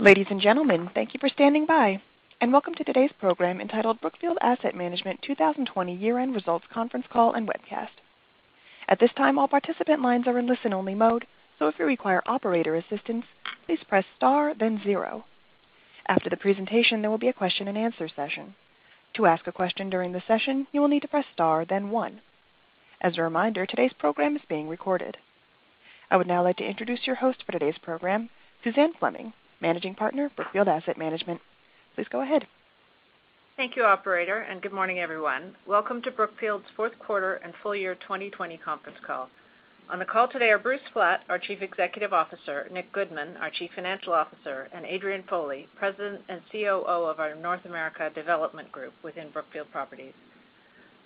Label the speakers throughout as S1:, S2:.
S1: Ladies and gentlemen, thank you for standing by. Welcome to today's program entitled Brookfield Asset Management 2020 Year-End Results Conference Call and Webcast. At this time, all participant lines are in listen-only mode. If you require operator assistance, please press star then zero. After the presentation, there will be a question-and-answer session. To ask a question during the session, you will need to press star then one. As a reminder, today's program is being recorded. I would now like to introduce your host for today's program, Suzanne Fleming, Managing Partner, Brookfield Asset Management. Please go ahead.
S2: Thank you, operator, and good morning, everyone. Welcome to Brookfield's fourth quarter and full year 2020 conference call. On the call today are Bruce Flatt, our Chief Executive Officer, Nick Goodman, our Chief Financial Officer, and Adrian Foley, President and COO of our North America Development Group within Brookfield Properties.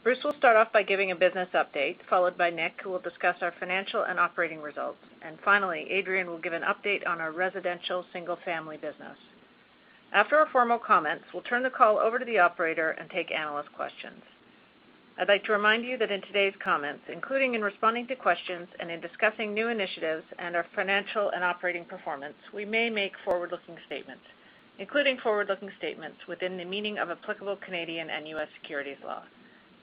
S2: Bruce will start off by giving a business update, followed by Nick, who will discuss our financial and operating results. Finally, Adrian will give an update on our residential single-family business. After our formal comments, we'll turn the call over to the operator and take analyst questions. I'd like to remind you that in today's comments, including in responding to questions and in discussing new initiatives and our financial and operating performance, we may make forward-looking statements, including forward-looking statements within the meaning of applicable Canadian and U.S. securities law.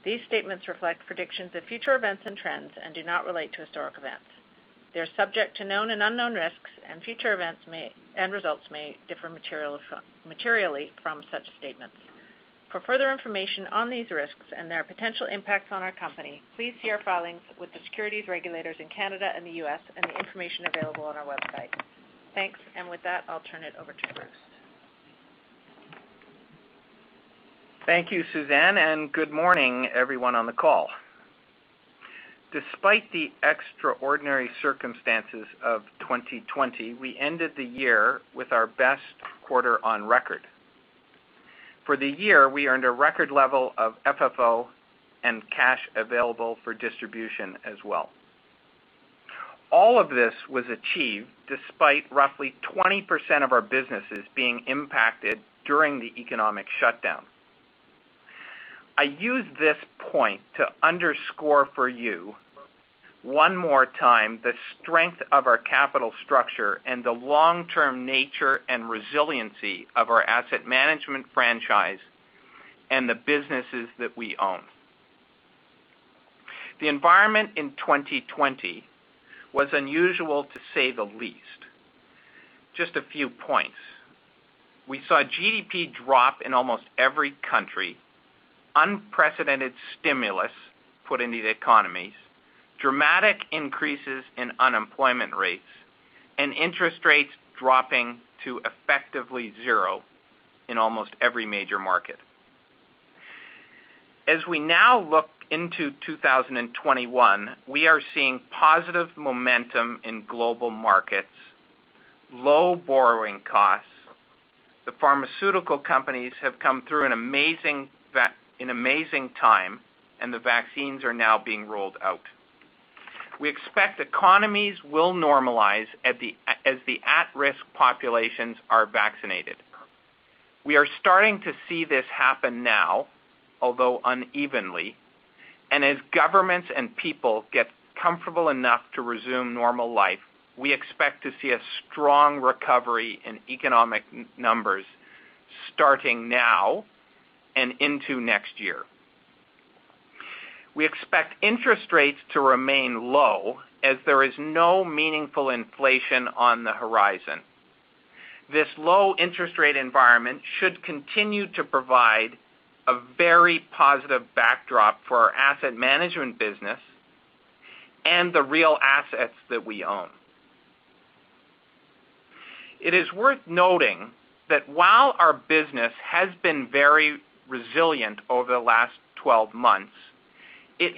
S2: These statements reflect predictions of future events and trends and do not relate to historic events. They're subject to known and unknown risks, and future events and results may differ materially from such statements. For further information on these risks and their potential impacts on our company, please see our filings with the securities regulators in Canada and the U.S. and the information available on our website. Thanks. With that, I'll turn it over to Bruce.
S3: Thank you, Suzanne. Good morning, everyone on the call. Despite the extraordinary circumstances of 2020, we ended the year with our best quarter on record. For the year, we earned a record level of FFO and cash available for distribution as well. All of this was achieved despite roughly 20% of our businesses being impacted during the economic shutdown. I use this point to underscore for you one more time the strength of our capital structure and the long-term nature and resiliency of our asset management franchise and the businesses that we own. The environment in 2020 was unusual, to say the least. Just a few points. We saw GDP drop in almost every country, unprecedented stimulus put into the economies, dramatic increases in unemployment rates, and interest rates dropping to effectively 0 in almost every major market. As we now look into 2021, we are seeing positive momentum in global markets, low borrowing costs. The pharmaceutical companies have come through an amazing time, and the vaccines are now being rolled out. We expect economies will normalize as the at-risk populations are vaccinated. As governments and people get comfortable enough to resume normal life, we expect to see a strong recovery in economic numbers starting now and into next year. We expect interest rates to remain low as there is no meaningful inflation on the horizon. This low interest rate environment should continue to provide a very positive backdrop for our asset management business and the real assets that we own. It is worth noting that while our business has been very resilient over the last 12 months, it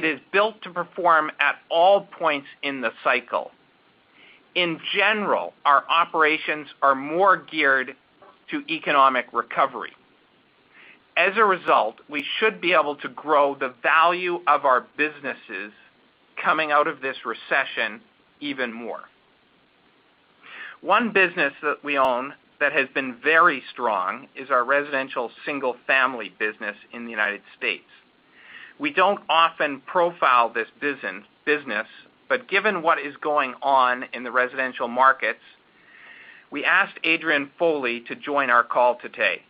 S3: is built to perform at all points in the cycle. In general, our operations are more geared to economic recovery. As a result, we should be able to grow the value of our businesses coming out of this recession even more. One business that we own that has been very strong is our residential single-family business in the United States. We don't often profile this business, but given what is going on in the residential markets, we asked Adrian Foley to join our call today.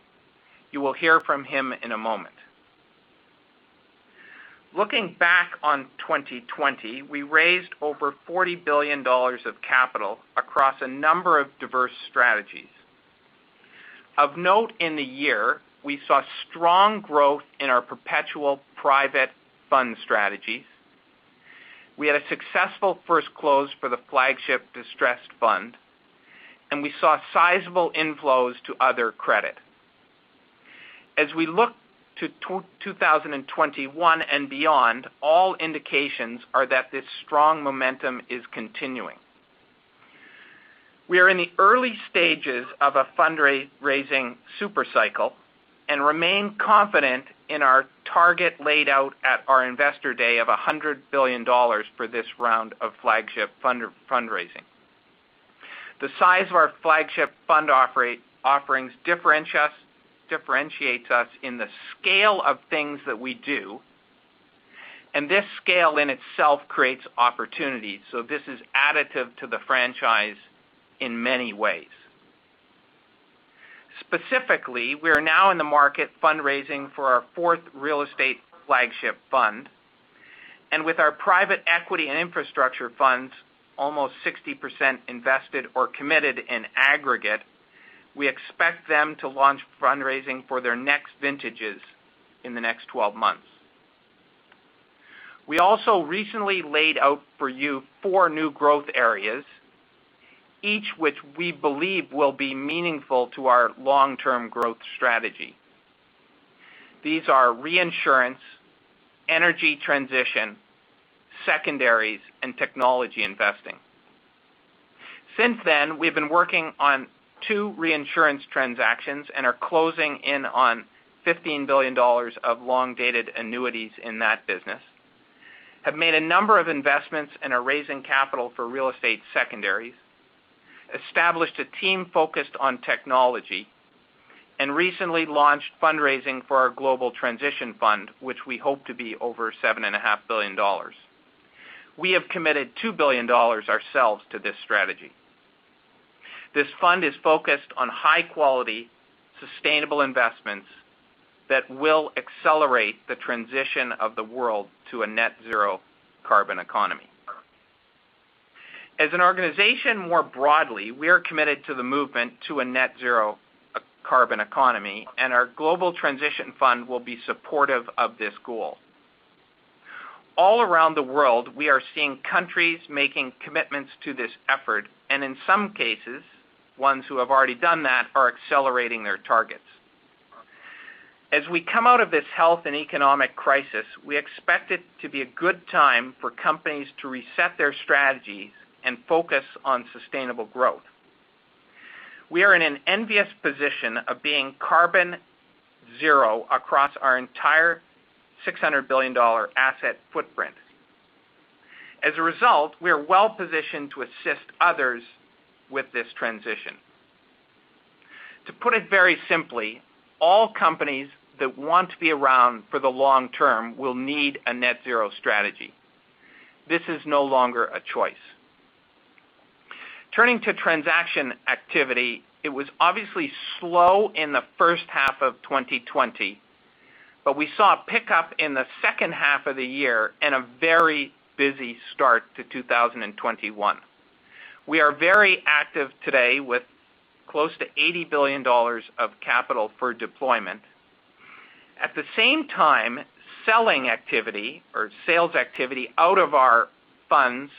S3: You will hear from him in a moment. Looking back on 2020, we raised over $40 billion of capital across a number of diverse strategies. Of note in the year, we saw strong growth in our perpetual private fund strategies. We had a successful first close for the flagship distressed fund, and we saw sizable inflows to other credit. As we look to 2021 and beyond, all indications are that this strong momentum is continuing. We are in the early stages of a fundraising super cycle and remain confident in our target laid out at our investor day of $100 billion for this round of flagship fund fundraising. The size of our flagship fund offerings differentiates us in the scale of things that we do. This scale in itself creates opportunities. This is additive to the franchise in many ways. Specifically, we are now in the market fundraising for our fourth real estate flagship fund. With our private equity and infrastructure funds almost 60% invested or committed in aggregate, we expect them to launch fundraising for their next vintages in the next 12 months. We also recently laid out for you four new growth areas, each which we believe will be meaningful to our long-term growth strategy. These are reinsurance, energy transition, secondaries, and technology investing. Since then, we've been working on two reinsurance transactions and are closing in on $15 billion of long-dated annuities in that business, have made a number of investments and are raising capital for real estate secondaries, established a team focused on technology, and recently launched fundraising for our global transition fund, which we hope to be over seven and a half billion dollars. We have committed $2 billion ourselves to this strategy. This fund is focused on high-quality, sustainable investments that will accelerate the transition of the world to a net zero carbon economy. As an organization more broadly, we are committed to the movement to a net zero carbon economy, and our global transition fund will be supportive of this goal. All around the world, we are seeing countries making commitments to this effort, and in some cases, ones who have already done that are accelerating their targets. As we come out of this health and economic crisis, we expect it to be a good time for companies to reset their strategies and focus on sustainable growth. We are in an envious position of being carbon zero across our entire $600 billion asset footprint. As a result, we are well-positioned to assist others with this transition. To put it very simply, all companies that want to be around for the long term will need a net zero strategy. This is no longer a choice. Turning to transaction activity, it was obviously slow in the first half of 2020, but we saw a pickup in the second half of the year and a very busy start to 2021. We are very active today with close to $80 billion of capital for deployment. At the same time, selling activity or sales activity out of our funds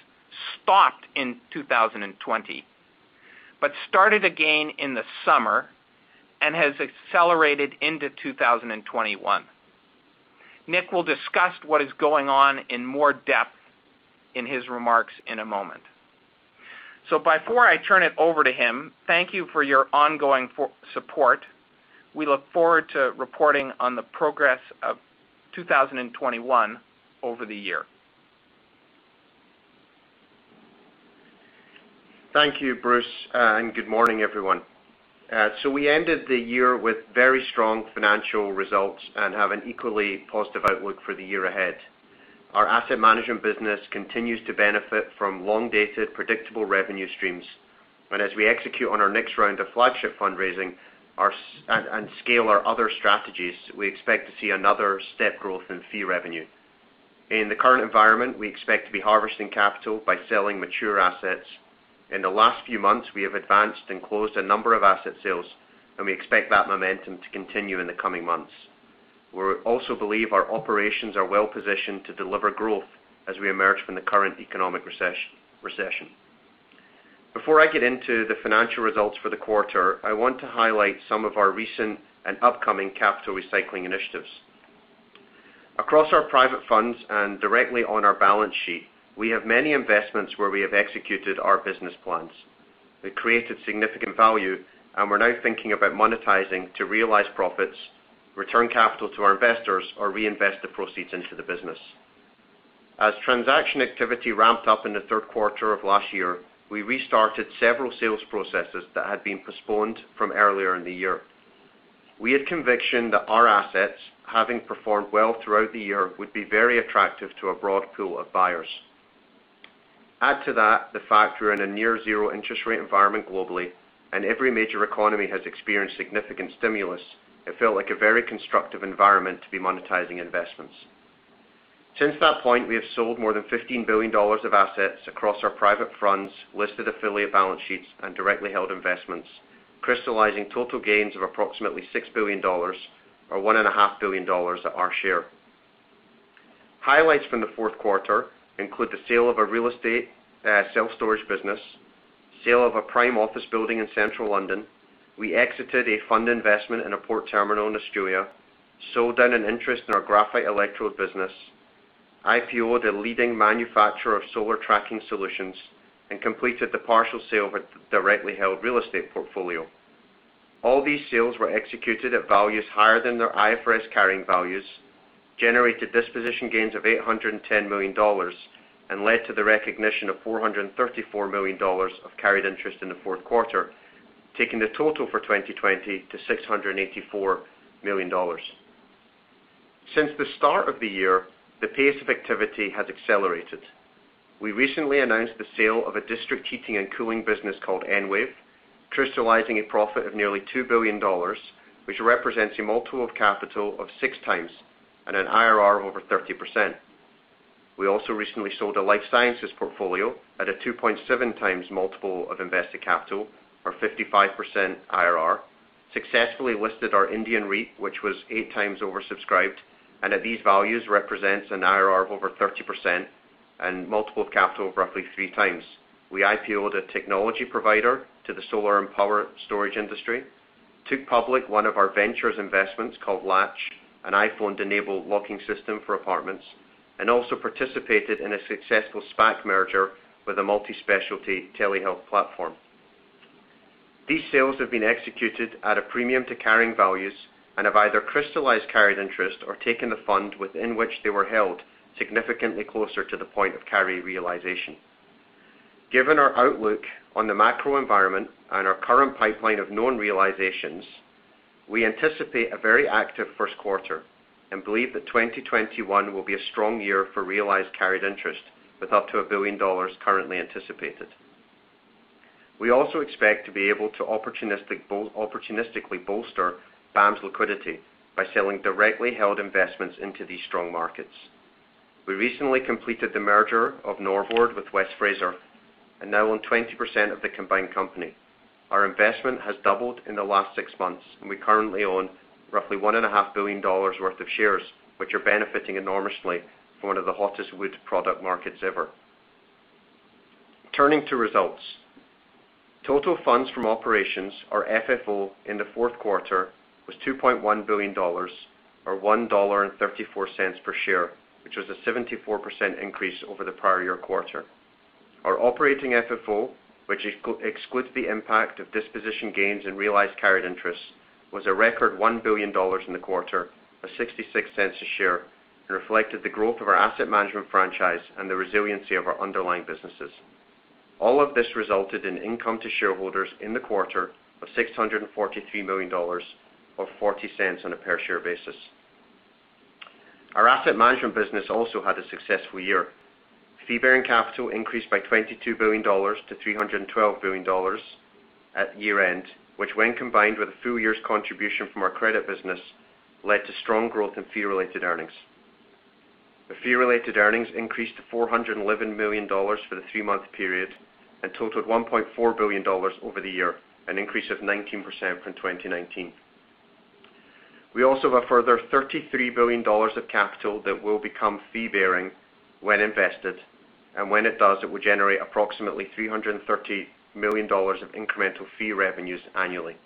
S3: stopped in 2020, but started again in the summer and has accelerated into 2021. Nick will discuss what is going on in more depth in his remarks in a moment. Before I turn it over to him, thank you for your ongoing support. We look forward to reporting on the progress of 2021 over the year.
S4: Thank you, Bruce, and good morning, everyone. We ended the year with very strong financial results and have an equally positive outlook for the year ahead. Our asset management business continues to benefit from long-dated predictable revenue streams. As we execute on our next round of flagship fundraising, and scale our other strategies, we expect to see another step growth in fee revenue. In the current environment, we expect to be harvesting capital by selling mature assets. In the last few months, we have advanced and closed a number of asset sales. We expect that momentum to continue in the coming months. We also believe our operations are well-positioned to deliver growth as we emerge from the current economic recession. Before I get into the financial results for the quarter, I want to highlight some of our recent and upcoming capital recycling initiatives. Across our private funds and directly on our balance sheet, we have many investments where we have executed our business plans. We created significant value, and we're now thinking about monetizing to realize profits, return capital to our investors or reinvest the proceeds into the business. As transaction activity ramped up in the third quarter of last year, we restarted several sales processes that had been postponed from earlier in the year. We had conviction that our assets, having performed well throughout the year, would be very attractive to a broad pool of buyers. Add to that the fact we're in a near zero interest rate environment globally and every major economy has experienced significant stimulus, it felt like a very constructive environment to be monetizing investments. Since that point, we have sold more than $15 billion of assets across our private funds, listed affiliate balance sheets and directly held investments, crystallizing total gains of approximately $6 billion or one and a half billion dollars at our share. Highlights from the fourth quarter include the sale of a real estate self-storage business, sale of a prime office building in Central London. We exited a fund investment in a port terminal in Australia, sold down an interest in our graphite electrode business, IPO'd a leading manufacturer of solar tracking solutions, and completed the partial sale of a directly held real estate portfolio. All these sales were executed at values higher than their IFRS carrying values, generated disposition gains of $810 million, and led to the recognition of $434 million of carried interest in the fourth quarter. Taking the total for 2020 to $684 million. Since the start of the year, the pace of activity has accelerated. We recently announced the sale of a district heating and cooling business called Enwave, crystallizing a profit of nearly $2 billion which represents a multiple of capital of six times at an IRR of over 30%. We also recently sold a life sciences portfolio at a 2.7 times multiple of invested capital or 55% IRR. Successfully listed our Indian REIT which was eight times oversubscribed, and at these values, represents an IRR of over 30% and multiple of capital of roughly three times. We IPO-ed a technology provider to the solar and power storage industry. Took public one of our ventures investments called Latch, an iPhone-enabled locking system for apartments, and also participated in a successful SPAC merger with a multi-specialty telehealth platform. These sales have been executed at a premium to carrying values and have either crystallized carried interest or taken the fund within which they were held significantly closer to the point of carry realization. Given our outlook on the macro environment and our current pipeline of known realizations, we anticipate a very active first quarter and believe that 2021 will be a strong year for realized carried interest with up to $1 billion currently anticipated. We also expect to be able to opportunistically bolster BAM's liquidity by selling directly held investments into these strong markets. We recently completed the merger of Norbord with West Fraser and now own 20% of the combined company. Our investment has doubled in the last 6 months, and we currently own roughly one and a half billion dollars worth of shares, which are benefiting enormously from one of the hottest wood product markets ever. Turning to results. Total funds from operations or FFO in the fourth quarter was $2.1 billion or $1.34 per share, which was a 74% increase over the prior year quarter. Our operating FFO, which excludes the impact of disposition gains and realized carried interest, was a record $1 billion in the quarter or $0.66 a share, and reflected the growth of our asset management franchise and the resiliency of our underlying businesses. All of this resulted in income to shareholders in the quarter of $643 million or $0.40 on a per-share basis. Our asset management business also had a successful year. Fee-bearing capital increased by $22 billion to $312 billion at year-end, which when combined with a full year's contribution from our credit business, led to strong growth in fee-related earnings. The fee-related earnings increased to $411 million for the three-month period and totaled $1.4 billion over the year, an increase of 19% from 2019. We also have a further $33 billion of capital that will become fee-bearing when invested, and when it does, it will generate approximately $330 million of incremental fee revenues annually.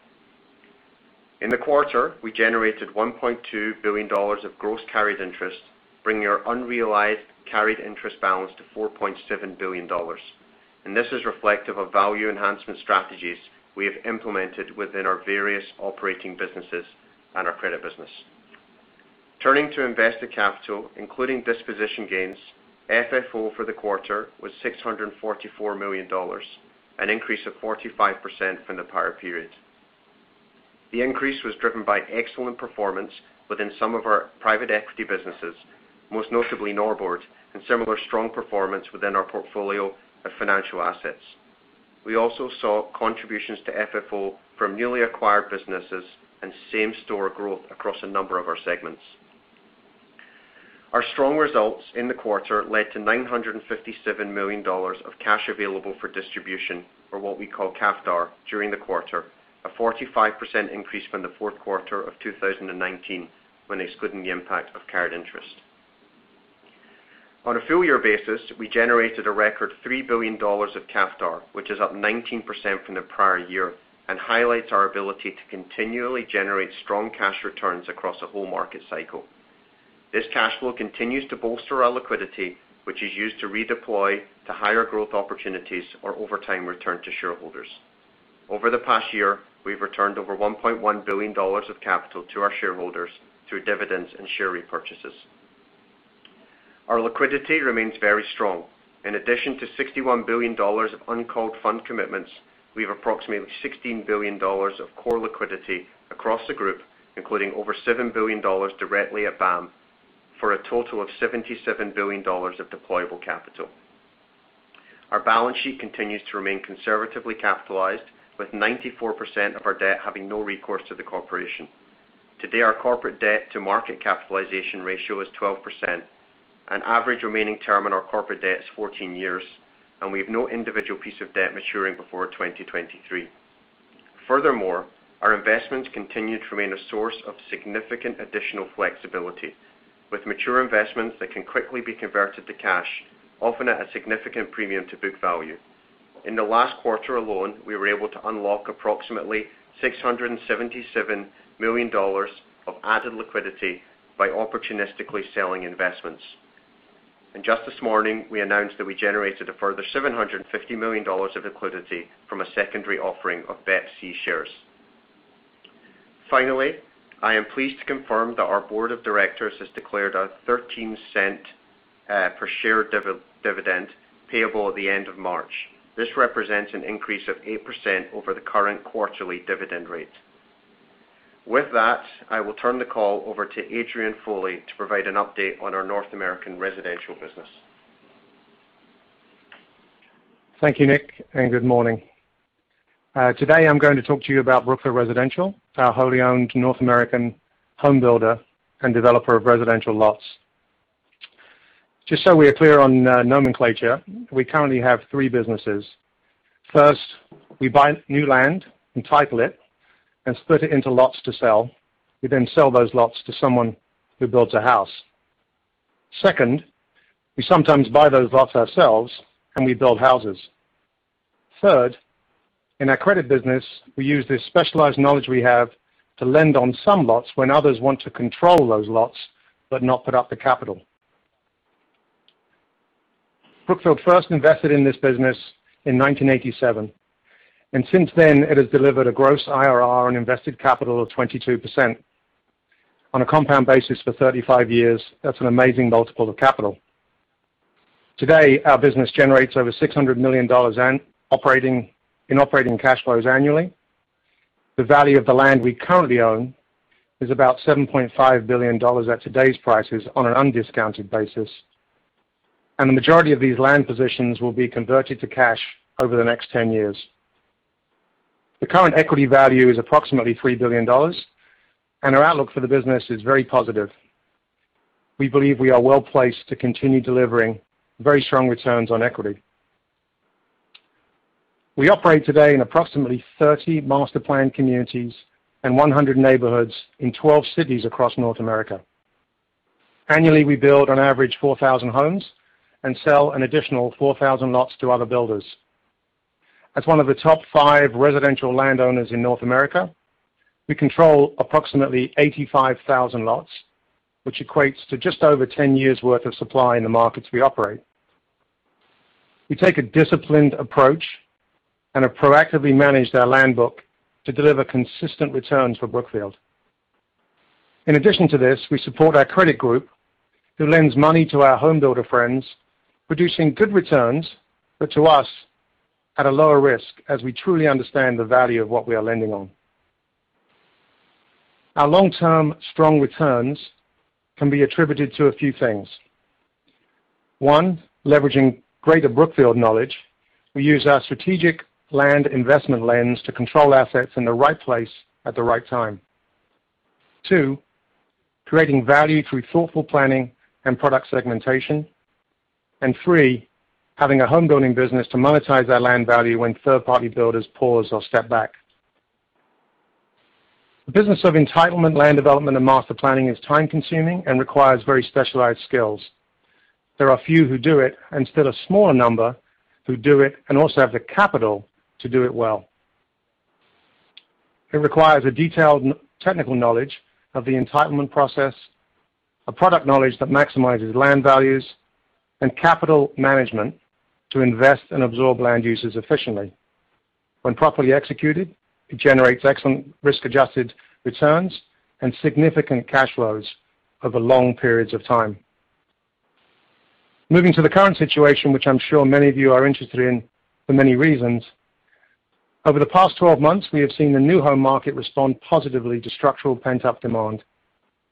S4: In the quarter, we generated $1.2 billion of gross carried interest, bringing our unrealized carried interest balance to $4.7 billion. This is reflective of value enhancement strategies we have implemented within our various operating businesses and our credit business. Turning to invested capital, including disposition gains, FFO for the quarter was $644 million, an increase of 45% from the prior period. The increase was driven by excellent performance within some of our private equity businesses, most notably Norbord, and similar strong performance within our portfolio of financial assets. We also saw contributions to FFO from newly acquired businesses and same-store growth across a number of our segments. Our strong results in the quarter led to $957 million of cash available for distribution or what we call CAFD during the quarter, a 45% increase from the fourth quarter of 2019 when excluding the impact of carried interest. On a full year basis, we generated a record $3 billion of CAFD, which is up 19% from the prior year and highlights our ability to continually generate strong cash returns across a whole market cycle. This cash flow continues to bolster our liquidity, which is used to redeploy to higher growth opportunities or over time return to shareholders. Over the past year, we've returned over $1.1 billion of capital to our shareholders through dividends and share repurchases. Our liquidity remains very strong. In addition to $61 billion of uncalled fund commitments, we have approximately $16 billion of core liquidity across the group, including over $7 billion directly at BAM, for a total of $77 billion of deployable capital. Our balance sheet continues to remain conservatively capitalized with 94% of our debt having no recourse to the corporation. Today, our corporate debt to market capitalization ratio is 12%. An average remaining term on our corporate debt is 14 years, and we have no individual piece of debt maturing before 2023. Furthermore, our investments continue to remain a source of significant additional flexibility with mature investments that can quickly be converted to cash, often at a significant premium to book value. In the last quarter alone, we were able to unlock approximately $677 million of added liquidity by opportunistically selling investments. Just this morning, we announced that we generated a further $750 million of liquidity from a secondary offering of BEPC shares. Finally, I am pleased to confirm that our board of directors has declared a $0.13 per share dividend payable at the end of March. This represents an increase of 8% over the current quarterly dividend rate. With that, I will turn the call over to Adrian Foley to provide an update on our North American residential business.
S5: Thank you, Nick, and good morning. Today I'm going to talk to you about Brookfield Residential, our wholly owned North American home builder and developer of residential lots. Just so we are clear on nomenclature, we currently have three businesses. First, we buy new land and title it and split it into lots to sell. We sell those lots to someone who builds a house. Second, we sometimes buy those lots ourselves, and we build houses. Third, in our credit business, we use this specialized knowledge we have to lend on some lots when others want to control those lots, but not put up the capital. Brookfield first invested in this business in 1987, and since then, it has delivered a gross IRR on invested capital of 22%. On a compound basis for 35 years, that's an amazing multiple of capital. Today, our business generates over $600 million in operating cash flows annually. The value of the land we currently own is about $7.5 billion at today's prices on an undiscounted basis. The majority of these land positions will be converted to cash over the next 10 years. The current equity value is approximately $3 billion, and our outlook for the business is very positive. We believe we are well-placed to continue delivering very strong returns on equity. We operate today in approximately 30 master-planned communities and 100 neighborhoods in 12 cities across North America. Annually, we build on average 4,000 homes and sell an additional 4,000 lots to other builders. As one of the top five residential landowners in North America, we control approximately 85,000 lots, which equates to just over 10 years worth of supply in the markets we operate. We take a disciplined approach and have proactively managed our land book to deliver consistent returns for Brookfield. In addition to this, we support our credit group, who lends money to our home builder friends, producing good returns, but to us, at a lower risk as we truly understand the value of what we are lending on. Our long-term strong returns can be attributed to a few things. One, leveraging greater Brookfield knowledge. We use our strategic land investment lens to control assets in the right place at the right time. Two, creating value through thoughtful planning and product segmentation. Three, having a homebuilding business to monetize our land value when third-party builders pause or step back. The business of entitlement, land development, and master planning is time-consuming and requires very specialized skills. There are few who do it, and still a smaller number who do it and also have the capital to do it well. It requires a detailed technical knowledge of the entitlement process, a product knowledge that maximizes land values, and capital management to invest and absorb land uses efficiently. When properly executed, it generates excellent risk-adjusted returns and significant cash flows over long periods of time. Moving to the current situation, which I'm sure many of you are interested in for many reasons. Over the past 12 months, we have seen the new home market respond positively to structural pent-up demand.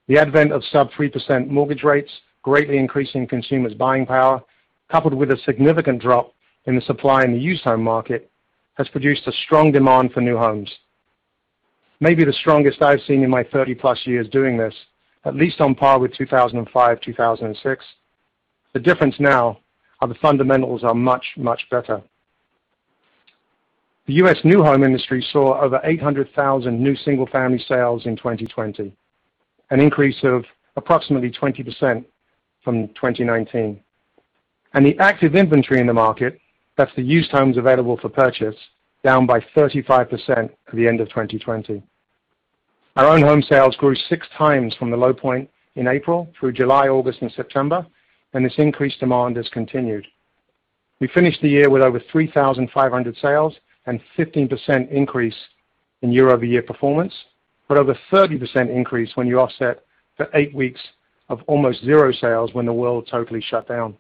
S5: The advent of sub-3% mortgage rates greatly increasing consumers' buying power, coupled with a significant drop in the supply in the used home market, has produced a strong demand for new homes. Maybe the strongest I've seen in my 30+ years doing this, at least on par with 2005, 2006. The difference now are the fundamentals are much, much better. The U.S. new home industry saw over 800,000 new single-family sales in 2020, an increase of approximately 20% from 2019. The active inventory in the market, that's the used homes available for purchase, down by 35% at the end of 2020. Our own home sales grew six times from the low point in April through July, August, and September, and this increased demand has continued. We finished the year with over 3,500 sales and 15% increase in year-over-year performance. Over 30% increase when you offset the eight weeks of almost zero sales when the world totally shut down.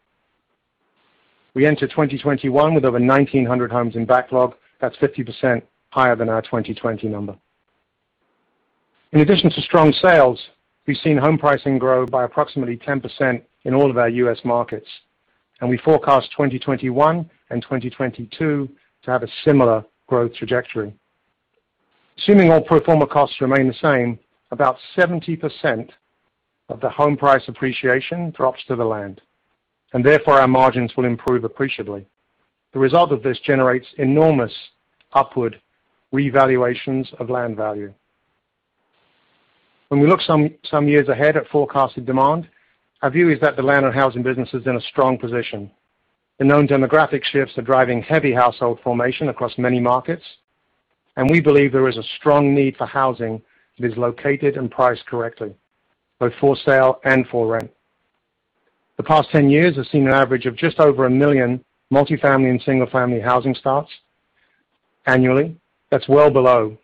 S5: We enter 2021 with over 1,900 homes in backlog. That's 50% higher than our 2020 number. In addition to strong sales, we've seen home pricing grow by approximately 10% in all of our U.S. markets, and we forecast 2021 and 2022 to have a similar growth trajectory. Assuming all pro forma costs remain the same, about 70% of the home price appreciation drops to the land, and therefore our margins will improve appreciably. The result of this generates enormous upward revaluations of land value. When we look some years ahead at forecasted demand, our view is that the land and housing business is in a strong position. The known demographic shifts are driving heavy household formation across many markets, and we believe there is a strong need for housing that is located and priced correctly, both for sale and for rent. The past 10 years have seen an average of just over 1 million multi-family and single-family housing starts annually. That's well below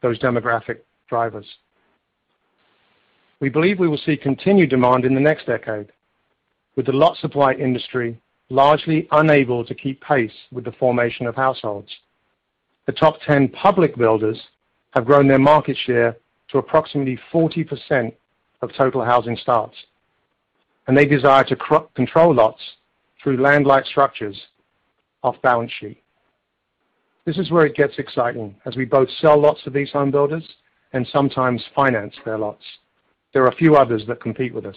S5: those demographic drivers. We believe we will see continued demand in the next decade, with the lot supply industry largely unable to keep pace with the formation of households. The top 10 public builders have grown their market share to approximately 40% of total housing starts, and they desire to control lots through land-like structures off balance sheet. This is where it gets exciting as we both sell lots to these home builders and sometimes finance their lots. There are few others that compete with us.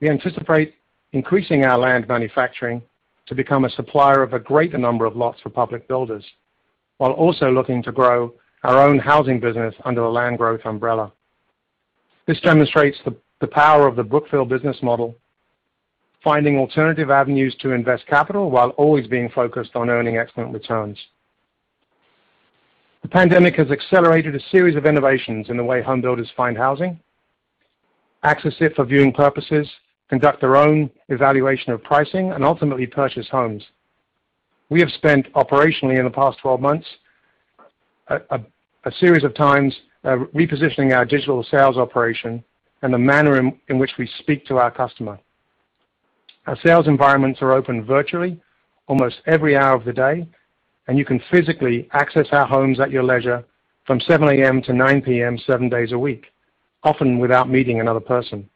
S5: We anticipate increasing our land manufacturing to become a supplier of a greater number of lots for public builders while also looking to grow our own housing business under the land growth umbrella. This demonstrates the power of the Brookfield business model, finding alternative avenues to invest capital while always being focused on earning excellent returns. The pandemic has accelerated a series of innovations in the way home builders find housing, access it for viewing purposes, conduct their own evaluation of pricing, and ultimately purchase homes. We have spent operationally in the past 12 months a series of times repositioning our digital sales operation and the manner in which we speak to our customer. Our sales environments are open virtually almost every hour of the day, and you can physically access our homes at your leisure from 7:00 A.M. to 9:00 P.M., seven days a week, often without meeting another person.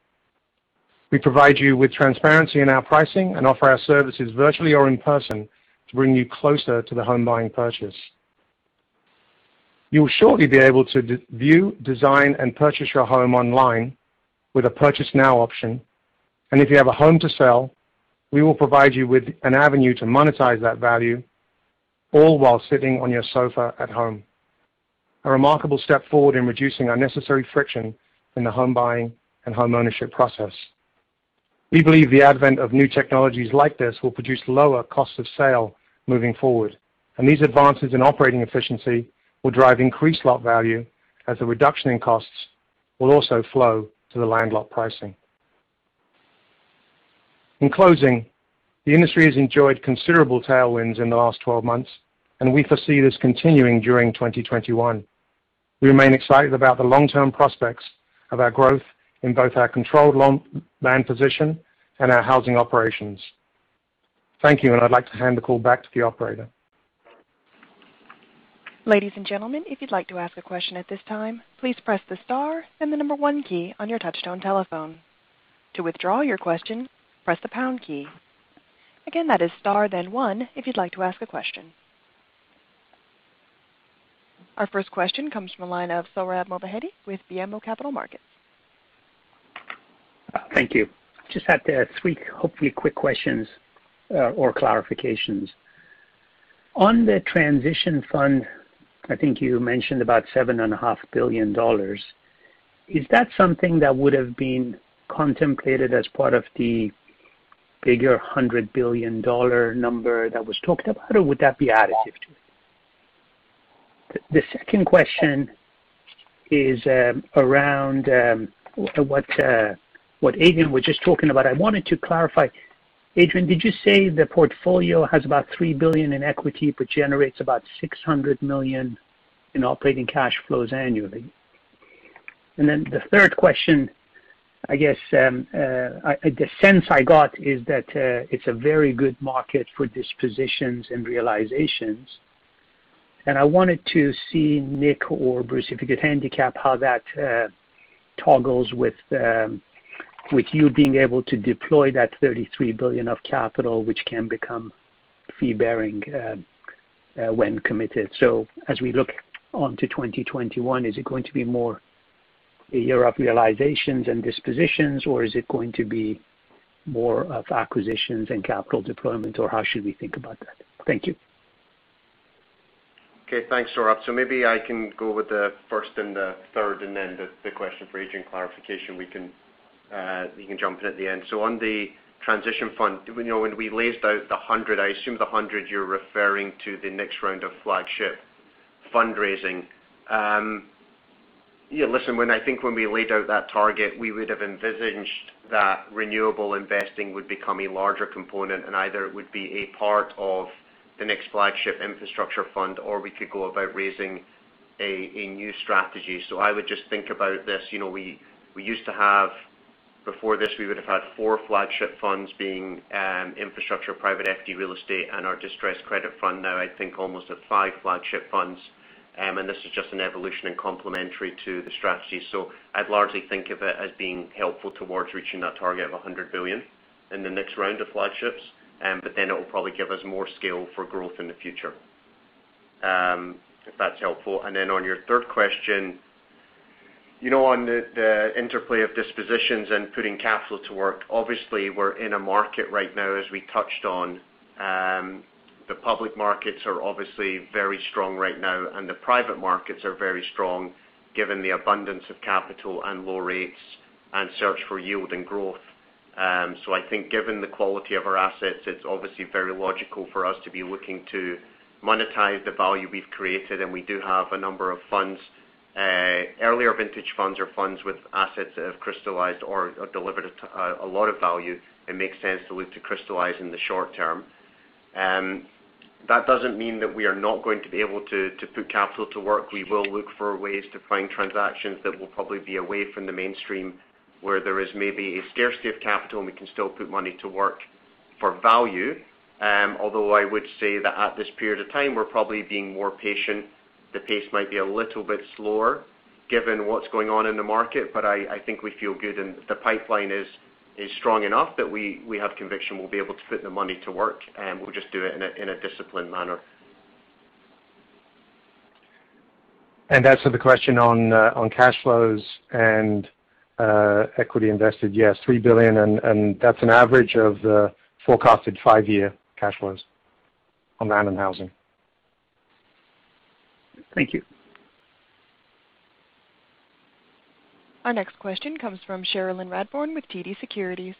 S5: We provide you with transparency in our pricing and offer our services virtually or in person to bring you closer to the home buying purchase. You will shortly be able to view, design, and purchase your home online with a Purchase Now option. If you have a home to sell, we will provide you with an avenue to monetize that value, all while sitting on your sofa at home. A remarkable step forward in reducing unnecessary friction in the home buying and homeownership process. We believe the advent of new technologies like this will produce lower costs of sale moving forward, and these advances in operating efficiency will drive increased lot value as the reduction in costs will also flow to the land lot pricing. In closing, the industry has enjoyed considerable tailwinds in the last 12 months, and we foresee this continuing during 2021. We remain excited about the long-term prospects of our growth in both our controlled land position and our housing operations. Thank you, and I'd like to hand the call back to the operator.
S1: Ladies and gentlemen, if you'd like to ask a question at this time, please press the star and the number one key on your touchtone telephone. To withdraw your question, press the pound key. Again, that is star, then one if you'd like to ask a question. Our first question comes from the line of Sohrab Movahedi with BMO Capital Markets.
S6: Thank you. Just have three, hopefully quick questions or clarifications. On the transition fund, I think you mentioned about $7.5 billion. Is that something that would have been contemplated as part of the bigger $100 billion number that was talked about, or would that be additive to it? The second question is around what Adrian was just talking about. I wanted to clarify. Adrian, did you say the portfolio has about $3 billion in equity, but generates about $600 million in operating cash flows annually? The third question, I guess, the sense I got is that it's a very good market for dispositions and realizations. I wanted to see Nick or Bruce, if you could handicap how that toggles with you being able to deploy that $33 billion of capital, which can become fee-bearing when committed. As we look onto 2021, is it going to be more a year of realizations and dispositions, or is it going to be more of acquisitions and capital deployment, or how should we think about that? Thank you.
S4: Okay. Thanks, Sohrab. Maybe I can go with the first and the third, and then the question for Adrian clarification, we can, he can jump in at the end. On the transition fund, you know, when we laid out the 100, I assume the 100, you're referring to the next round of flagship fundraising. Listen, when we laid out that target, we would have envisaged that renewable investing would become a larger component, and either it would be a part of the next flagship infrastructure fund, or we could go about raising a new strategy. I would just think about this. You know, we used to have before this, we would have had four flagship funds being infrastructure, private equity, real estate, and our distressed credit fund. I think almost at five flagship funds, this is just an evolution and complementary to the strategy. I'd largely think of it as being helpful towards reaching that target of $100 billion in the next round of flagships. It will probably give us more scale for growth in the future, if that's helpful. On your third question, you know, on the interplay of dispositions and putting capital to work, obviously, we're in a market right now, as we touched on. The public markets are obviously very strong right now, the private markets are very strong given the abundance of capital and low rates and search for yield and growth. I think given the quality of our assets, it's obviously very logical for us to be looking to monetize the value we've created, and we do have a number of funds. Earlier vintage funds are funds with assets that have crystallized or delivered a lot of value. It makes sense to look to crystallize in the short term. That doesn't mean that we are not going to be able to put capital to work. We will look for ways to find transactions that will probably be away from the mainstream, where there is maybe a scarcity of capital, and we can still put money to work for value. Although I would say that at this period of time, we're probably being more patient. The pace might be a little bit slower given what's going on in the market. I think we feel good and the pipeline is strong enough that we have conviction we'll be able to put the money to work. We'll just do it in a disciplined manner.
S5: As to the question on cash flows and equity invested, yes, $3 billion. That's an average of the forecasted five-year cash flows on land and housing.
S6: Thank you.
S1: Our next question comes from Cherilyn Radbourne with TD Securities.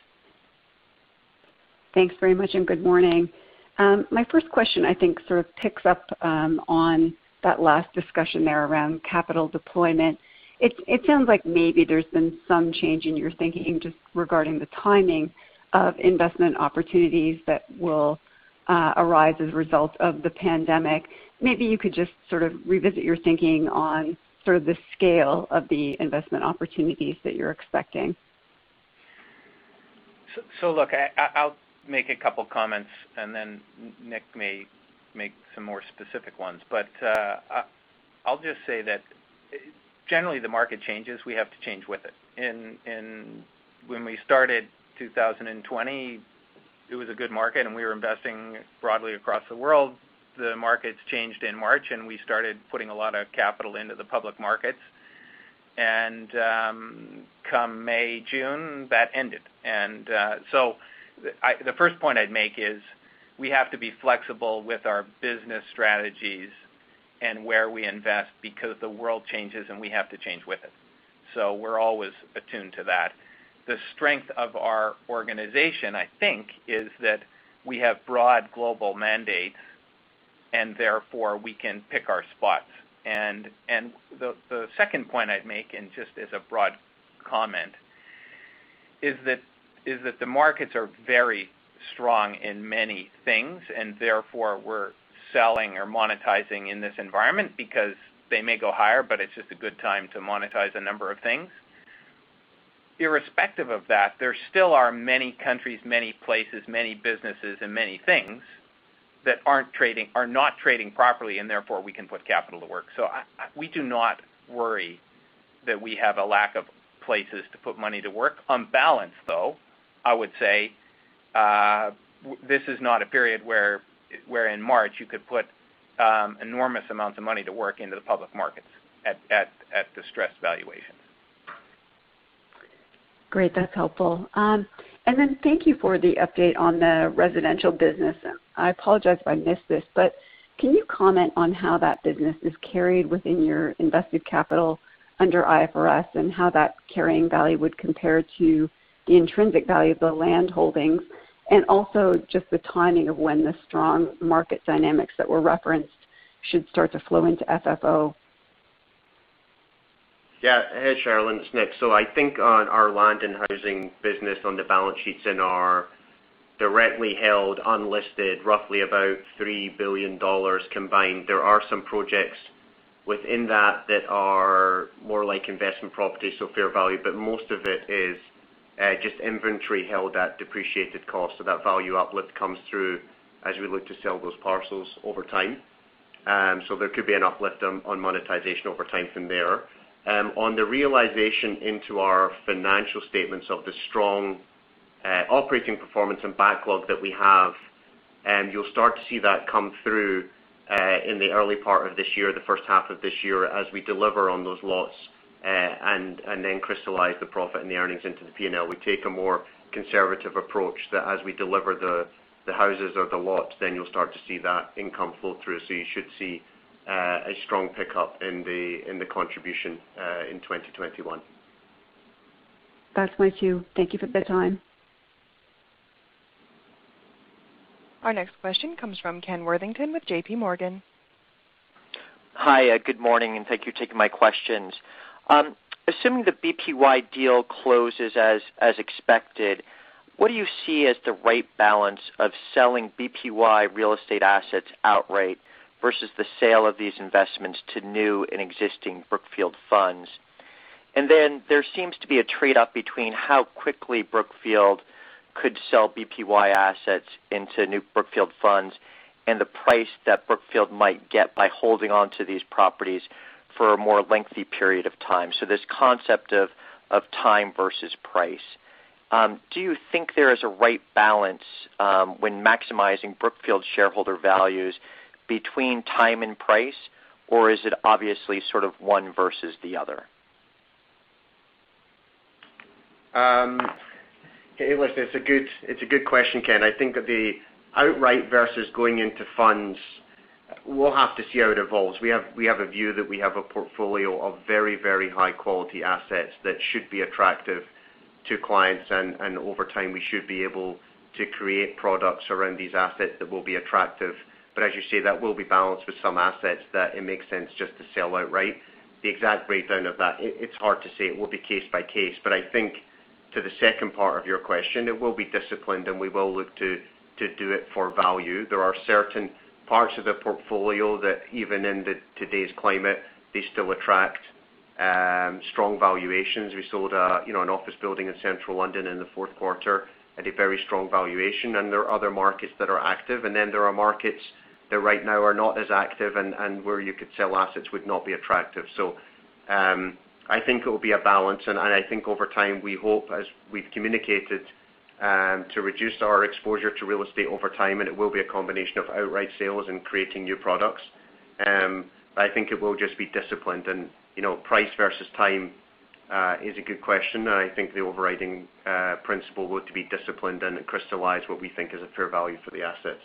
S7: Thanks very much. Good morning. My first question, I think, sort of picks up on that last discussion there around capital deployment. It sounds like maybe there's been some change in your thinking just regarding the timing of investment opportunities that will arise as a result of the pandemic. Maybe you could just sort of revisit your thinking on sort of the scale of the investment opportunities that you're expecting.
S3: Look, I'll make a couple comments, and then Nick may make some more specific ones. I'll just say that generally the market changes. We have to change with it. When we started 2020, it was a good market, and we were investing broadly across the world. The markets changed in March, and we started putting a lot of capital into the public markets. Come May, June, that ended. The first point I'd make is we have to be flexible with our business strategies and where we invest because the world changes, and we have to change with it. We're always attuned to that. The strength of our organization, I think, is that we have broad global mandates, and therefore, we can pick our spots. The second point I'd make, and just as a broad comment, is that the markets are very strong in many things, and therefore we're selling or monetizing in this environment because they may go higher, but it's just a good time to monetize a number of things. Irrespective of that, there still are many countries, many places, many businesses, and many things that are not trading properly, and therefore we can put capital to work. We do not worry that we have a lack of places to put money to work. On balance, though, I would say, this is not a period where in March you could put enormous amounts of money to work into the public markets at distressed valuations.
S7: Great. That's helpful. Thank you for the update on the residential business. I apologize if I missed this, can you comment on how that business is carried within your invested capital under IFRS and how that carrying value would compare to the intrinsic value of the land holdings? Also just the timing of when the strong market dynamics that were referenced should start to flow into FFO.
S4: Yeah. Hey, Cherilyn, it's Nick. I think on our land and housing business on the balance sheets in our directly held unlisted roughly about $3 billion combined. There are some projects within that that are more like investment properties, so fair value. Most of it is just inventory held at depreciated cost. That value uplift comes through as we look to sell those parcels over time. There could be an uplift on monetization over time from there. On the realization into our financial statements of the strong operating performance and backlog that we have, you'll start to see that come through in the early part of this year, the first half of this year, as we deliver on those lots and then crystallize the profit and the earnings into the P&L. We take a more conservative approach that as we deliver the houses or the lots, you'll start to see that income flow through. You should see a strong pickup in the contribution in 2021.
S7: That's quite cool. Thank you for the time.
S1: Our next question comes from Ken Worthington with JPMorgan.
S8: Hi, good morning, and thank you for taking my questions. Assuming the BPY deal closes as expected, what do you see as the right balance of selling BPY real estate assets outright versus the sale of these investments to new and existing Brookfield funds? Then there seems to be a trade-off between how quickly Brookfield could sell BPY assets into new Brookfield funds and the price that Brookfield might get by holding onto these properties for a more lengthy period of time. This concept of time versus price. Do you think there is a right balance when maximizing Brookfield shareholder values between time and price, or is it obviously sort of one versus the other?
S4: Hey, listen, it's a good question, Ken. I think that the outright versus going into funds, we'll have to see how it evolves. We have a view that we have a portfolio of very, very high-quality assets that should be attractive to clients, and over time, we should be able to create products around these assets that will be attractive. As you say, that will be balanced with some assets that it makes sense just to sell outright. The exact breakdown of that, it's hard to say. It will be case by case. I think to the second part of your question, it will be disciplined, and we will look to do it for value. There are certain parts of the portfolio that even in the today's climate, they still attract strong valuations. We sold, you know, an office building in Central London in the fourth quarter at a very strong valuation, and there are other markets that are active. There are markets that right now are not as active and where you could sell assets would not be attractive. I think it will be a balance. I think over time, we hope as we've communicated, to reduce our exposure to real estate over time, and it will be a combination of outright sales and creating new products. I think it will just be disciplined. You know, price versus time is a good question, and I think the overriding principle would to be disciplined and crystallize what we think is a fair value for the assets.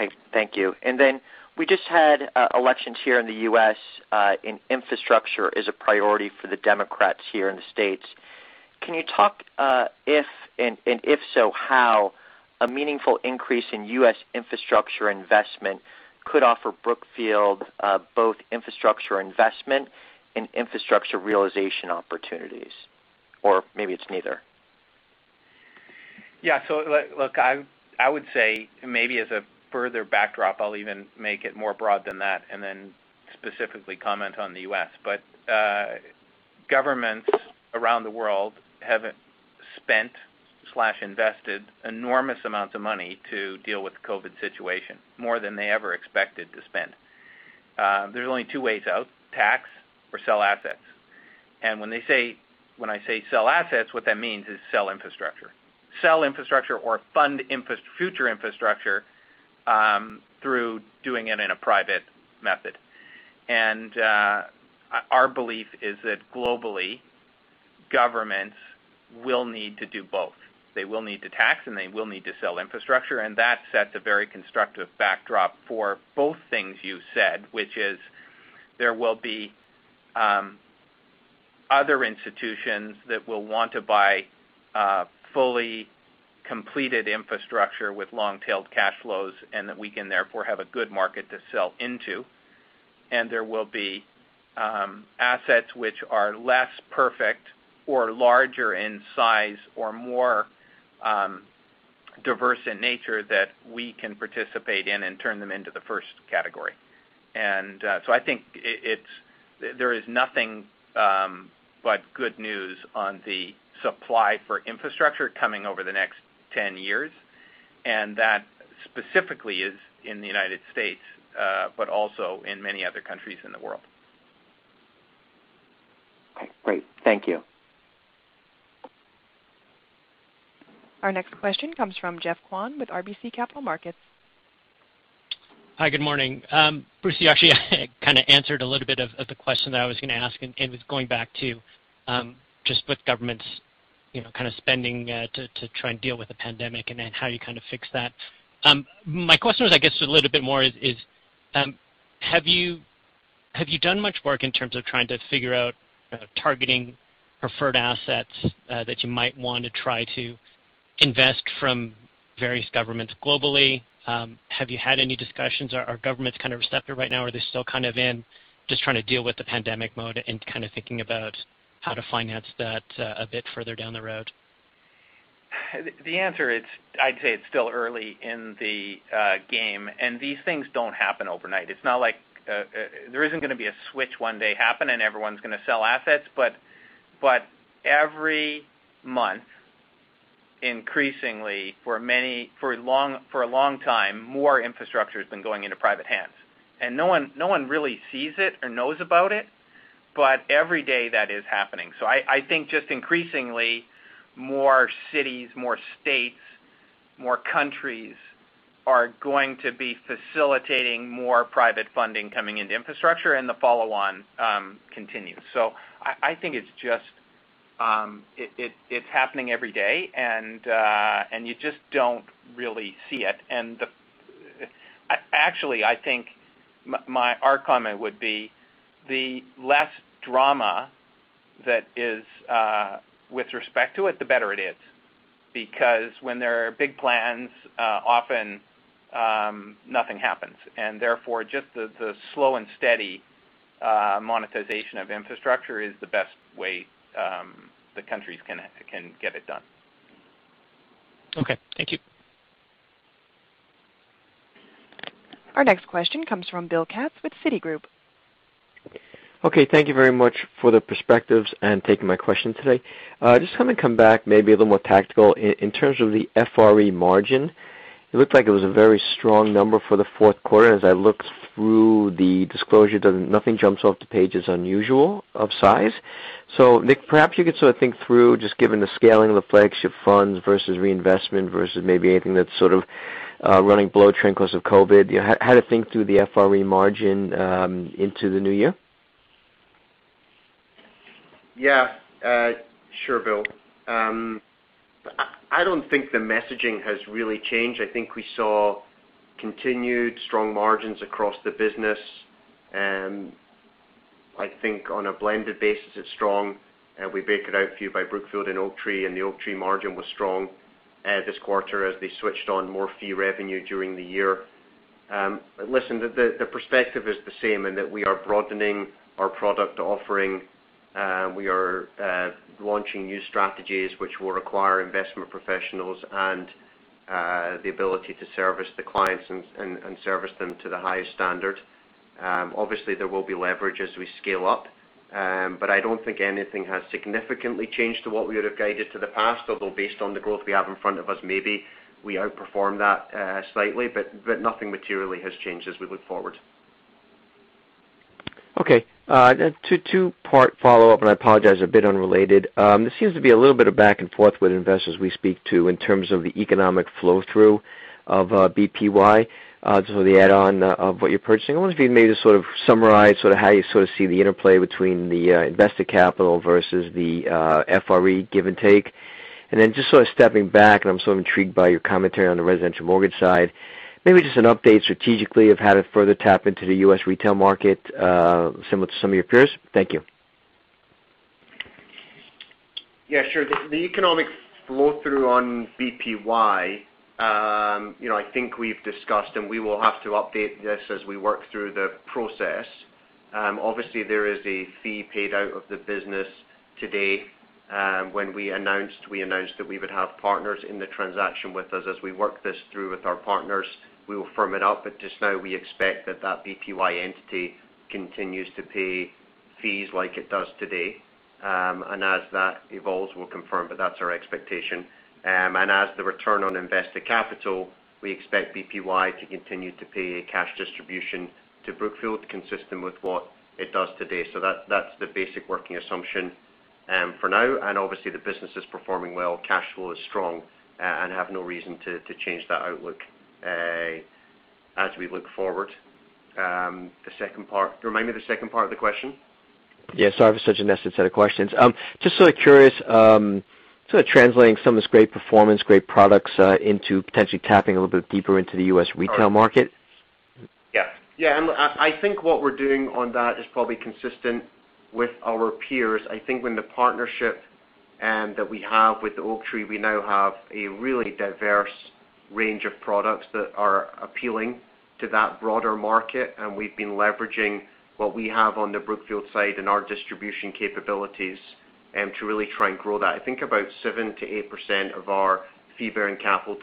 S8: Okay. Thank you. We just had elections here in the U.S., and infrastructure is a priority for the Democrats here in the States. Can you talk if and, if so how a meaningful increase in U.S. infrastructure investment could offer Brookfield both infrastructure investment and infrastructure realization opportunities, or maybe it's neither.
S3: Look, I would say maybe as a further backdrop, I'll even make it more broad than that, and then specifically comment on the U.S. Governments around the world have spent/invested enormous amounts of money to deal with the COVID situation, more than they ever expected to spend. There's only two ways out, tax or sell assets. When they say-- when I say sell assets, what that means is sell infrastructure. Sell infrastructure or fund future infrastructure through doing it in a private method. Our belief is that globally, governments will need to do both. They will need to tax, and they will need to sell infrastructure. That sets a very constructive backdrop for both things you said, which is there will be other institutions that will want to buy fully completed infrastructure with long-tailed cash flows, and that we can therefore have a good market to sell into. There will be assets which are less perfect or larger in size or more diverse in nature that we can participate in and turn them into the first category. I think there is nothing but good news on the supply for infrastructure coming over the next 10 years. That specifically is in the U.S., but also in many other countries in the world.
S8: Okay, great. Thank you.
S1: Our next question comes from Geoffrey Kwan with RBC Capital Markets.
S9: Hi, good morning. Bruce, you actually kind of answered a little bit of the question that I was gonna ask, and it was going back to just with governments, you know, kind of spending to try and deal with the pandemic and then how you kind of fix that. My question was, I guess, a little bit more is, have you done much work in terms of trying to figure out targeting preferred assets that you might want to try to invest from various governments globally? Have you had any discussions? Are governments kind of receptive right now, or are they still kind of in just trying to deal with the pandemic mode and kind of thinking about how to finance that a bit further down the road?
S3: The answer is, I'd say it's still early in the game. These things don't happen overnight. It's not like there isn't going to be a switch one day happen. Everyone's going to sell assets. Every month, increasingly for a long, for a long time, more infrastructure has been going into private hands. No one really sees it or knows about it. Every day that is happening. I think just increasingly more cities, more states, more countries are going to be facilitating more private funding coming into infrastructure. The follow-on continues. I think it's just, it's happening every day, and you just don't really see it. Actually, I think our comment would be the less drama that is with respect to it, the better it is. When there are big plans, often, nothing happens. Therefore, just the slow and steady monetization of infrastructure is the best way the countries can get it done.
S9: Okay. Thank you.
S1: Our next question comes from Bill Katz with Citigroup.
S10: Okay. Thank you very much for the perspectives and taking my question today. Kind of come back maybe a little more tactical. In terms of the FRE margin, it looked like it was a very strong number for the fourth quarter. As I looked through the disclosure, nothing jumps off the page as unusual of size. Nick, perhaps you could sort of think through just given the scaling of the flagship funds versus reinvestment versus maybe anything that's sort of running below trend 'cause of COVID. How to think through the FRE margin into the new year?
S4: Yeah. Sure, Bill. I don't think the messaging has really changed. I think we saw continued strong margins across the business. I think on a blended basis, it's strong. We break it out for you by Brookfield and Oaktree, and the Oaktree margin was strong this quarter as they switched on more fee revenue during the year. Listen, the, the perspective is the same in that we are broadening our product offering. We are launching new strategies which will require investment professionals and the ability to service the clients and service them to the highest standard. Obviously, there will be leverage as we scale up. I don't think anything has significantly changed to what we would have guided to the past. Based on the growth we have in front of us, maybe we outperform that, slightly, but nothing materially has changed as we look forward.
S10: Okay. Two-part follow-up, and I apologize, a bit unrelated. There seems to be a little bit of back and forth with investors we speak to in terms of the economic flow-through of BPY, so the add-on of what you're purchasing. I wonder if you can maybe just sort of summarize sort of how you sort of see the interplay between the invested capital versus the FRE give and take. Just sort of stepping back, I'm sort of intrigued by your commentary on the residential mortgage side. Maybe just an update strategically of how to further tap into the U.S. retail market, similar to some of your peers. Thank you.
S4: Yeah, sure. The economic flow-through on BPY, you know, I think we've discussed, and we will have to update this as we work through the process. Obviously there is a fee paid out of the business today. When we announced, we announced that we would have partners in the transaction with us. As we work this through with our partners, we will firm it up. Just now we expect that that BPY entity continues to pay fees like it does today. As that evolves, we'll confirm, that's our expectation. As the return on invested capital, we expect BPY to continue to pay cash distribution to Brookfield consistent with what it does today. That, that's the basic working assumption for now. Obviously the business is performing well. Cash flow is strong, and have no reason to change that outlook, as we look forward. The second part. Remind me the second part of the question.
S10: Yeah. Sorry for such a nested set of questions. just sort of curious, sort of translating some of this great performance, great products, into potentially tapping a little bit deeper into the U.S. retail market.
S4: I think what we're doing on that is probably consistent with our peers. I think when the partnership that we have with Oaktree, we now have a really diverse range of products that are appealing to that broader market, and we've been leveraging what we have on the Brookfield side and our distribution capabilities to really try and grow that. I think about 7%-8% of our fee-bearing capital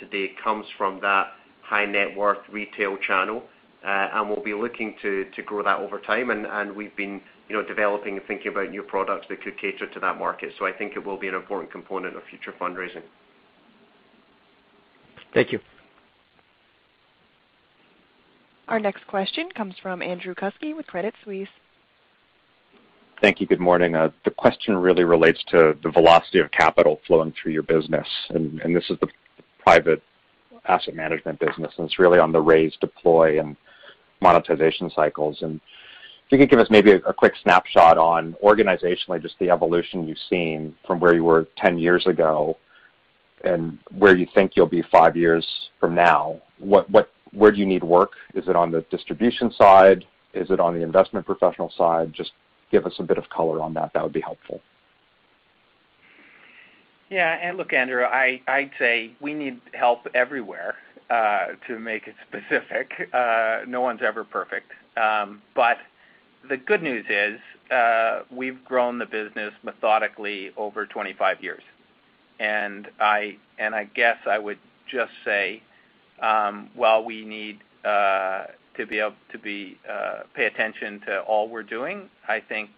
S4: today comes from that high net worth retail channel. We'll be looking to grow that over time. We've been, you know, developing and thinking about new products that could cater to that market. I think it will be an important component of future fundraising.
S10: Thank you.
S1: Our next question comes from Andrew Kuske with Credit Suisse.
S11: Thank you. Good morning. The question really relates to the velocity of capital flowing through your business. This is the private asset management business, and it's really on the raise, deploy, and monetization cycles. If you could give us maybe a quick snapshot on organizationally just the evolution you've seen from where you were 10 years ago and where you think you'll be five years from now. Where do you need work? Is it on the distribution side? Is it on the investment professional side? Just give us a bit of color on that. That would be helpful.
S3: Yeah. Look, Andrew, I'd say we need help everywhere to make it specific. No one's ever perfect. The good news is, we've grown the business methodically over 25 years. I guess I would just say, while we need to be able to pay attention to all we're doing, I think,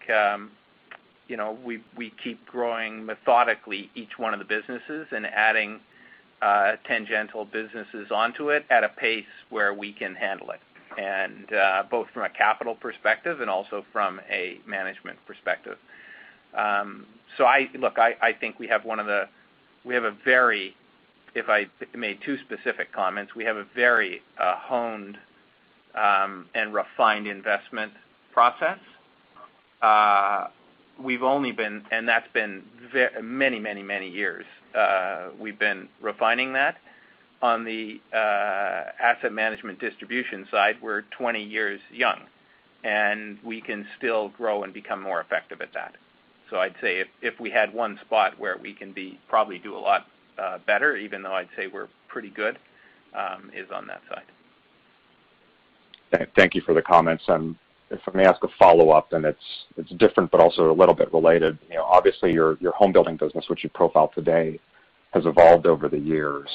S3: you know, we keep growing methodically each one of the businesses and adding tangential businesses onto it at a pace where we can handle it, both from a capital perspective and also from a management perspective. Look, I think we have a very, if I made two specific comments, we have a very honed and refined investment process. That's been many years, we've been refining that. On the asset management distribution side, we're 20 years young, and we can still grow and become more effective at that. I'd say if we had one spot where we probably do a lot better, even though I'd say we're pretty good, is on that side.
S11: Thank you for the comments. If I may ask a follow-up, it's different but also a little bit related. You know, obviously your home building business, which you profiled today, has evolved over the years.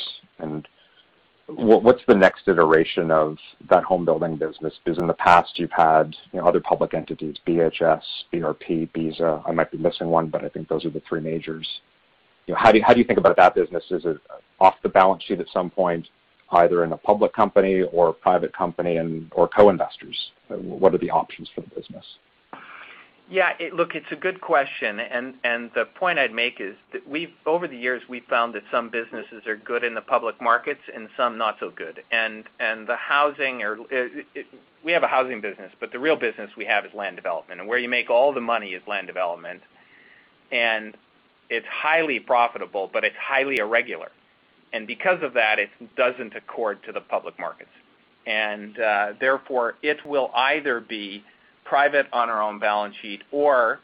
S11: What's the next iteration of that home building business? 'Cause in the past you've had, you know, other public entities, BHS, BRP. I might be missing one, but I think those are the three majors. You know, how do you think about that business? Is it off the balance sheet at some point, either in a public company or a private company and/or co-investors? What are the options for the business?
S3: Yeah. Look, it's a good question. The point I'd make is that over the years, we've found that some businesses are good in the public markets and some not so good. The housing or, we have a housing business, but the real business we have is land development. Where you make all the money is land development. It's highly profitable, but it's highly irregular. Because of that, it doesn't accord to the public markets. Therefore, it will either be private on our own balance sheet or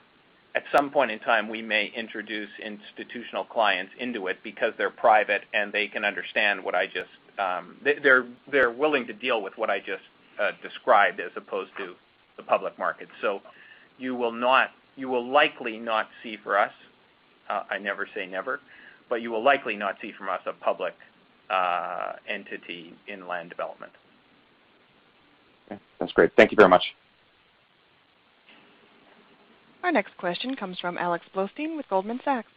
S3: at some point in time, we may introduce institutional clients into it because they're private and they're willing to deal with what I just described as opposed to the public market. You will likely not see for us, I never say never, but you will likely not see from us a public entity in land development.
S11: Okay. That's great. Thank you very much.
S1: Our next question comes from Alex Blostein with Goldman Sachs.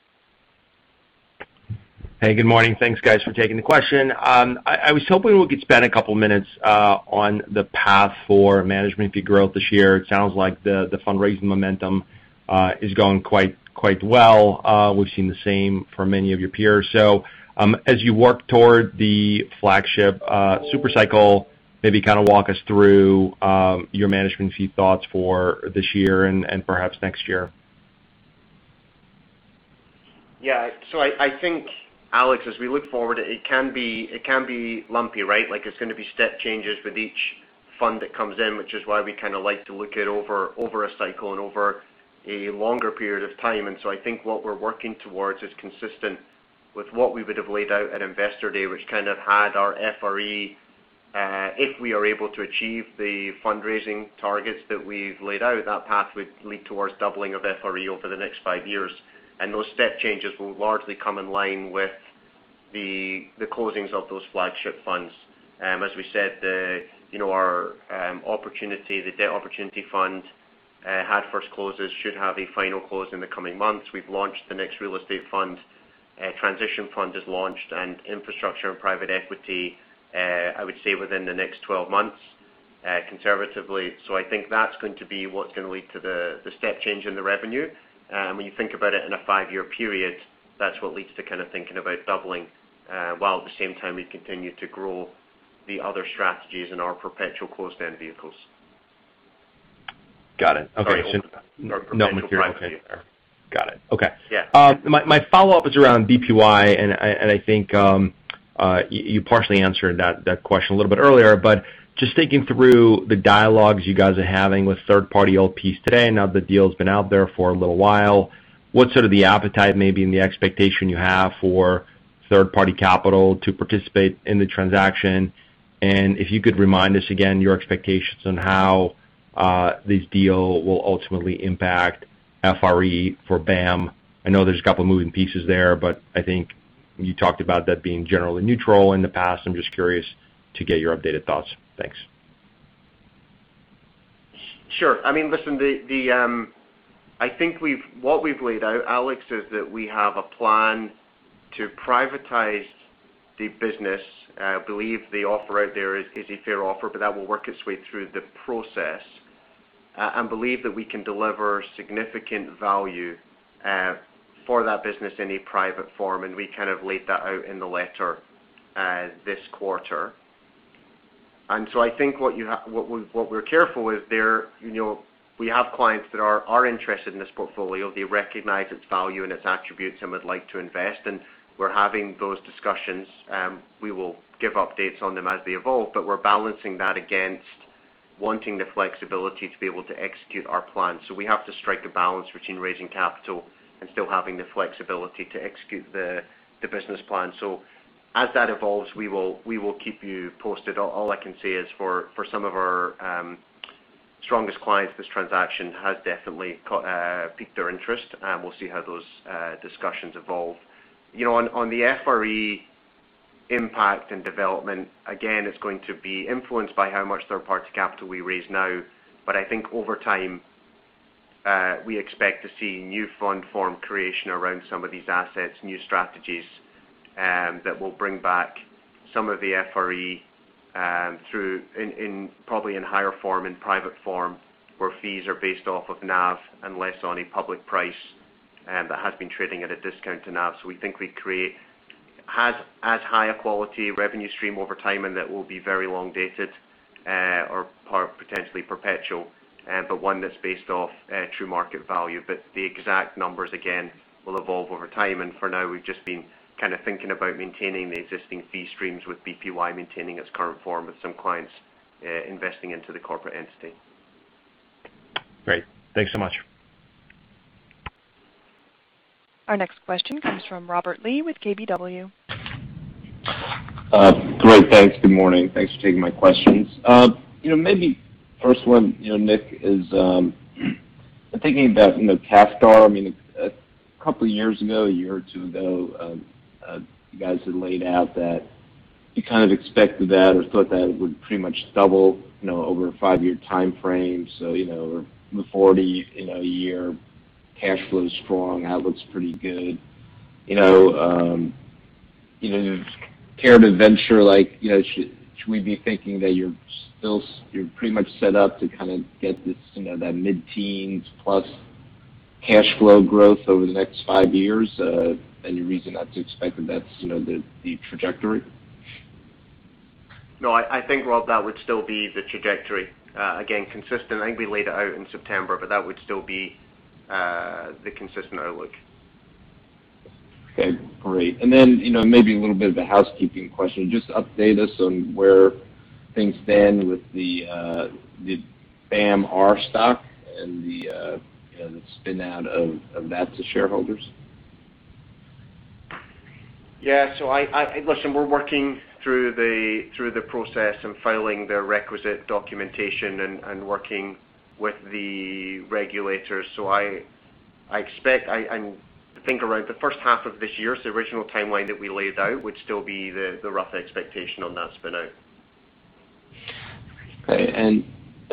S12: Hey, good morning. Thanks, guys, for taking the question. I was hoping we could spend a couple minutes on the path for management fee growth this year. It sounds like the fundraising momentum is going quite well. As you work toward the flagship super cycle, maybe kinda walk us through your management fee thoughts for this year and perhaps next year.
S4: Yeah. I think, Alex, as we look forward, it can be lumpy, right? Like, it's gonna be step changes with each fund that comes in, which is why we kinda like to look at over a cycle and over a longer period of time. I think what we're working towards is consistent with what we would have laid out at Investor Day, which kind of had our FRE. If we are able to achieve the fundraising targets that we've laid out, that path would lead towards doubling of FRE over the next five years. Those step changes will largely come in line with the closings of those flagship funds. As we said, the debt opportunity fund had first closes, should have a final close in the coming months. We've launched the next real estate fund. A transition fund is launched and infrastructure and private equity, I would say within the next 12 months, conservatively. I think that's going to be what's gonna lead to the step change in the revenue. When you think about it in a five-year period, that's what leads to kind of thinking about doubling, while at the same time we continue to grow the other strategies in our perpetual closed-end vehicles.
S12: Got it. Okay.
S4: Sorry, open. Perpetual private vehicle.
S12: Got it. Okay.
S4: Yeah.
S12: My follow-up is around BPY, and I think you partially answered that question a little bit earlier. Just thinking through the dialogues you guys are having with third-party LPs today, now the deal's been out there for a little while, what's sort of the appetite maybe and the expectation you have for third-party capital to participate in the transaction? If you could remind us again your expectations on how this deal will ultimately impact FRE for BAM. I know there's a couple moving pieces there, but I think you talked about that being generally neutral in the past. I'm just curious to get your updated thoughts. Thanks.
S3: Sure. I mean, listen, what we've laid out, Alex, is that we have a plan to privatize the business. Believe the offer out there is a fair offer, but that will work its way through the process. Believe that we can deliver significant value for that business in a private form, and we kind of laid that out in the letter this quarter. I think what we're careful is there, you know, we have clients that are interested in this portfolio. They recognize its value and its attributes and would like to invest, and we're having those discussions. We will give updates on them as they evolve, but we're balancing that against wanting the flexibility to be able to execute our plan. We have to strike a balance between raising capital and still having the flexibility to execute the business plan. As that evolves, we will keep you posted. All I can say is for some of our strongest clients, this transaction has definitely caught piqued their interest. We'll see how those discussions evolve. You know, on the FRE impact and development, again, it's going to be influenced by how much third-party capital we raise now. I think over time, we expect to see new fund form creation around some of these assets, new strategies, that will bring back some of the FRE through in probably in higher form, in private form, where fees are based off of NAV and less on a public price that has been trading at a discount to NAV. We think we create as high a quality revenue stream over time, and that will be very long dated, or potentially perpetual, but one that's based off true market value. The exact numbers, again, will evolve over time. For now, we've just been kinda thinking about maintaining the existing fee streams with BPY maintaining its current form with some clients, investing into the corporate entity.
S12: Great. Thanks so much.
S1: Our next question comes from Robert Lee with KBW.
S13: Great. Thanks. Good morning. Thanks for taking my questions. You know, maybe first one, you know, Nick, is, I'm thinking about, you know, CAFD. I mean, a couple years ago, a year or two ago, you guys had laid out that you kind of expected that or thought that it would pretty much double, you know, over a five-year timeframe. You know, the $40, you know, a year cash flow is strong. Outlook's pretty good. You know, you know, care to venture, like, you know, should we be thinking that you're still pretty much set up to kind of get this, you know, that mid-teens plus cash flow growth over the next five years? Any reason not to expect that that's, you know, the trajectory?
S4: No, I think, Rob, that would still be the trajectory. Again, consistent. I think we laid it out in September. That would still be the consistent outlook.
S13: Okay, great. You know, maybe a little bit of a housekeeping question. Just update us on where things stand with the BAMR stock and the, you know, the spin out of that to shareholders.
S4: Yeah. Listen, we're working through the process and filing the requisite documentation and working with the regulators. I think around the first half of this year is the original timeline that we laid out, would still be the rough expectation on that spin out.
S13: Okay.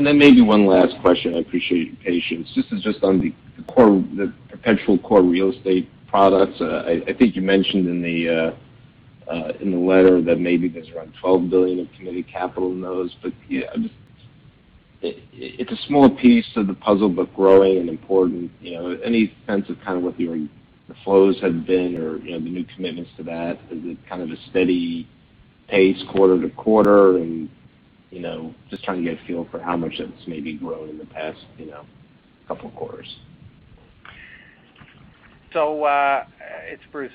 S13: Then maybe one last question. I appreciate your patience. This is just on the perpetual core real estate products. I think you mentioned in the letter that maybe there's around $12 billion of committed capital in those. You know, it's a small piece of the puzzle, but growing and important. You know, any sense of kind of what the flows have been or, you know, the new commitments to that? Is it kind of a steady pace quarter-to-quarter? You know, just trying to get a feel for how much that's maybe grown in the past, you know, couple quarters.
S3: It's Bruce.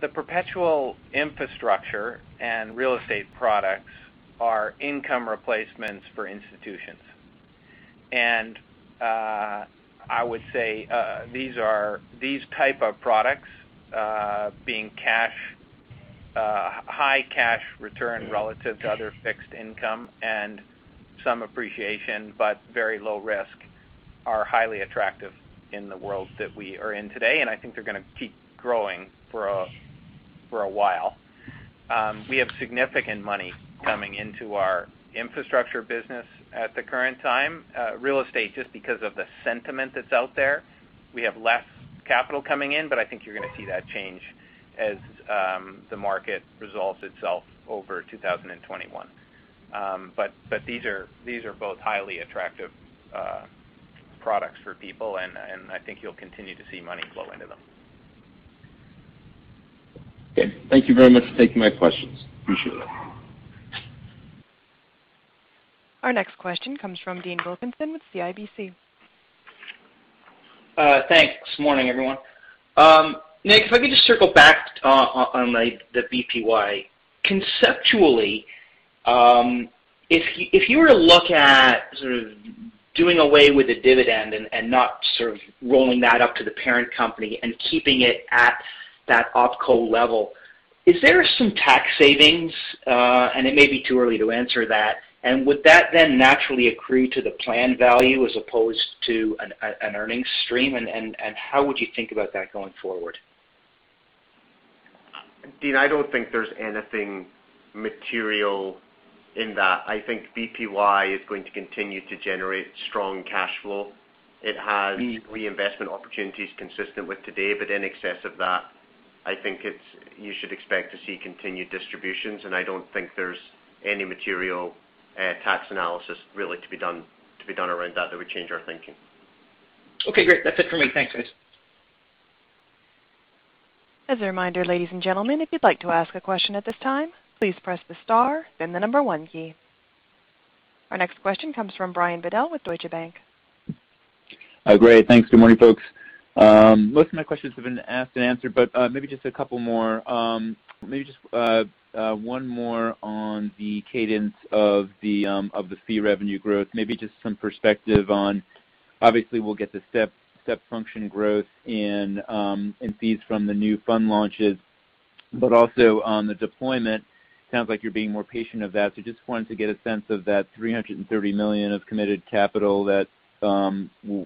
S3: The perpetual infrastructure and real estate products are income replacements for institutions. I would say these types of products, being high cash return relative to other fixed income and some appreciation, but very low risk, are highly attractive in the world that we are in today, and I think they're going to keep growing for a while. We have significant money coming into our infrastructure business at the current time. Real estate, just because of the sentiment that's out there, we have less capital coming in, but I think you're going to see that change as the market resolves itself over 2021. But these are both highly attractive products for people, and I think you'll continue to see money flow into them.
S13: Okay. Thank you very much for taking my questions. Appreciate it.
S1: Our next question comes from Dean Wilkinson with CIBC.
S14: Thanks. Morning, everyone. Nick, if I could just circle back on like the BPY. Conceptually, if you were to look at sort of doing away with the dividend and not sort of rolling that up to the parent company and keeping it at that opco level, is there some tax savings? It may be too early to answer that. Would that then naturally accrue to the plan value as opposed to an earning stream, and how would you think about that going forward?
S4: Dean, I don't think there's anything material in that. I think BPY is going to continue to generate strong cash flow. It has reinvestment opportunities consistent with today, but in excess of that, I think you should expect to see continued distributions, and I don't think there's any material tax analysis really to be done around that that would change our thinking.
S14: Okay, great. That's it for me. Thanks, guys.
S1: As a reminder, ladies and gentlemen, if you'd like to ask a question at this time, please press the star, then the number one key. Our next question comes from Brian Bedell with Deutsche Bank.
S15: Great. Thanks. Good morning, folks. Most of my questions have been asked and answered, but maybe just two more. Maybe just one more on the cadence of the fee revenue growth. Maybe just some perspective on. Obviously, we'll get the step function growth in fees from the new fund launches. Also on the deployment, sounds like you're being more patient of that. Just wanted to get a sense of that $330 million of committed capital that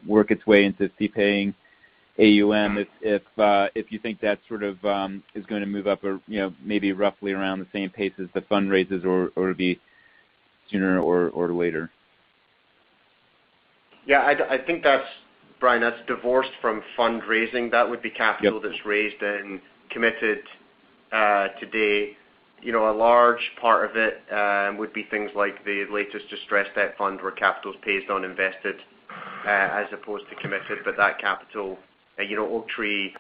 S15: work its way into fee paying AUM, if you think that sort of is going to move up or, you know, maybe roughly around the same pace as the fundraises or be sooner or later.
S4: Yeah, I think Brian, that's divorced from fundraising.
S15: Yep.
S4: that's raised and committed, today. You know, a large part of it, would be things like the latest distressed debt fund where capital is paid on invested, as opposed to committed. That capital, you know, Oaktree,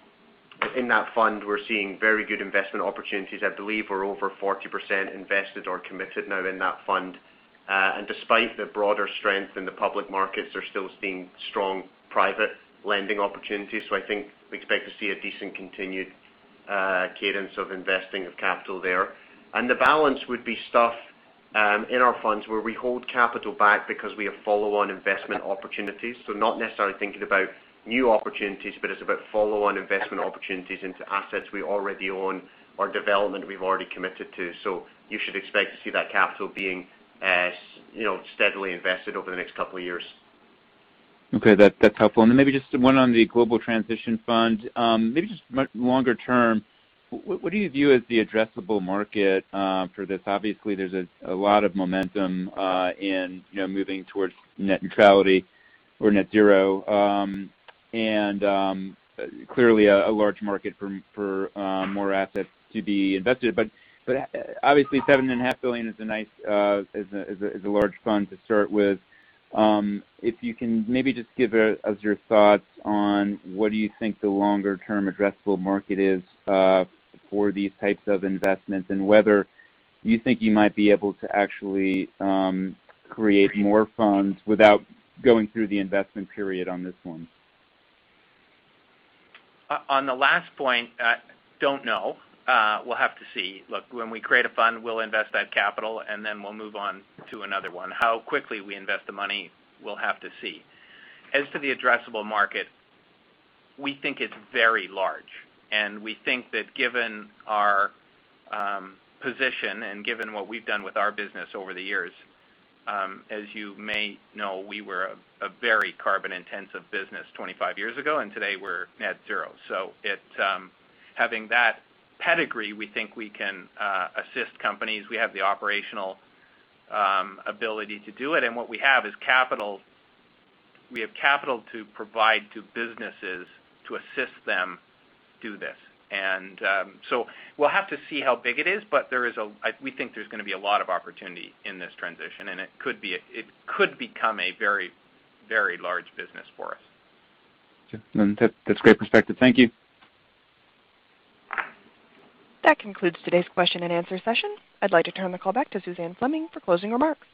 S4: in that fund, we're seeing very good investment opportunities. I believe we're over 40% invested or committed now in that fund. Despite the broader strength in the public markets, they're still seeing strong private lending opportunities. I think we expect to see a decent continued cadence of investing of capital there. The balance would be stuff, in our funds where we hold capital back because we have follow-on investment opportunities. Not necessarily thinking about new opportunities, but it's about follow-on investment opportunities into assets we already own or development we've already committed to. You should expect to see that capital being, as, you know, steadily invested over the next couple of years.
S15: Okay. That's helpful. Then maybe just one on the global transition fund. Maybe just longer term, what do you view as the addressable market for this? Obviously, there's a lot of momentum, you know, moving towards net neutrality or net zero. And clearly a large market for more assets to be invested. But obviously $7.5 billion is a nice, is a large fund to start with. If you can maybe just give us your thoughts on what do you think the longer-term addressable market is for these types of investments, and whether you think you might be able to actually create more funds without going through the investment period on this one.
S3: On the last point, don't know. We'll have to see. Look, when we create a fund, we'll invest that capital, then we'll move on to another one. How quickly we invest the money, we'll have to see. As to the addressable market, we think it's very large, we think that given our position and given what we've done with our business over the years, as you may know, we were a very carbon-intensive business 25 years ago, today we're net zero. Having that pedigree, we think we can assist companies. We have the operational ability to do it. What we have is capital. We have capital to provide to businesses to assist them do this. We'll have to see how big it is, but we think there's gonna be a lot of opportunity in this transition, and it could become a very, very large business for us.
S15: Okay. That's great perspective. Thank you.
S1: That concludes today's question and answer session. I'd like to turn the call back to Suzanne Fleming for closing remarks.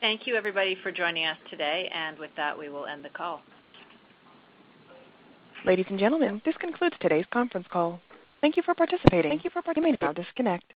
S2: Thank you everybody for joining us today. With that, we will end the call.
S1: Ladies and gentlemen, this concludes today's conference call. Thank you for participating. You may now disconnect.